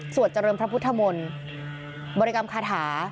เจริญพระพุทธมนต์บริกรรมคาถา